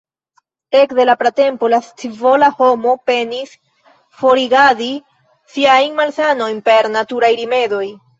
Ekde la pratempo la scivola homo penis forigadi siajn malsanojn per naturaj rimedoj.